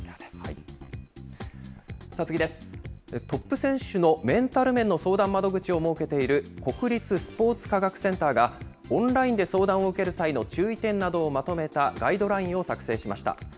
トップ選手のメンタル面の相談窓口を設けている、国立スポーツ科学センターが、オンラインで相談を受ける際の注意点などをまとめたガイドラインを作成しました。